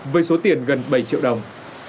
với số tiền gần bảy triệu đồng